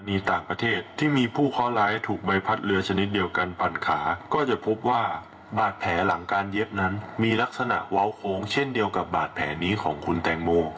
มีต่างประเทศที่มีผู้เคาะร้ายถูกใบพัดเรือชนิดเดียวกันปั่นขาก็จะพบว่าบาดแผลหลังการเย็บนั้นมีลักษณะเว้าโค้งเช่นเดียวกับบาดแผลนี้ของคุณแตงโม